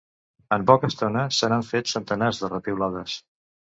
En poca estona se n’han fet centenars de repiulades.